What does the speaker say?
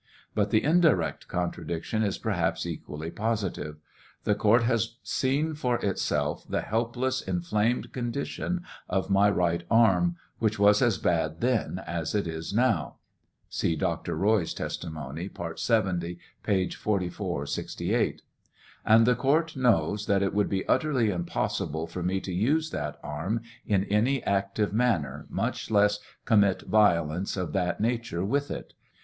But the indirect contradiction is perhaps equally positive. The court has seen for itself the helpless, inflamed condition of my right arm, which was as bad then as it is now. (See Dr. Roy's testi mony, part 70, page 4468.) And the court knows that it would be utterly im possible for me to use that arm in any active manner, much less commit violence of that nature with it.